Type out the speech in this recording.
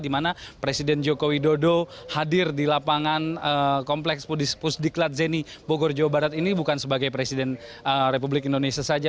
di mana presiden jokowi dodo hadir di lapangan kompleks pudispus diklatzeni bogor jawa barat ini bukan sebagai presiden republik indonesia saja